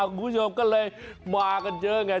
อ้าวคุณผู้ชมก็เลยมากันเจอกันไง